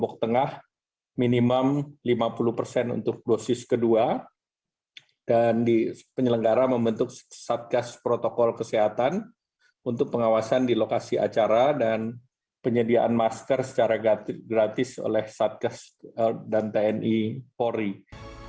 ketiga ajang balap internasional tersebut akan digelar di tengah masa pandemi covid sembilan belas